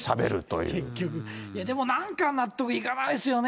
でもなんか納得いかないですよね。